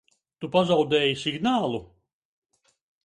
Tu pazaudēji signālu?